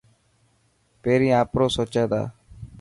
پيري آپرو سوچي تا.